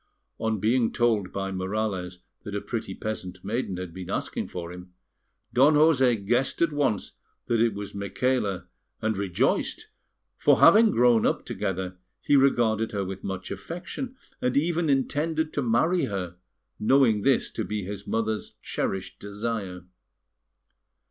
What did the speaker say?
On being told by Morales that a pretty peasant maiden had been asking for him, Don José guessed at once that it was Micaela, and rejoiced; for having grown up together, he regarded her with much affection, and even intended to marry her, knowing this to be his mother's cherished desire.